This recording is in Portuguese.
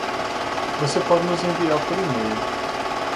Você pode nos enviar por email.